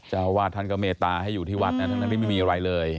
เจ้าอาวาสท่านก็เมตตาให้อยู่ที่วัดนะทั้งที่ไม่มีอะไรเลย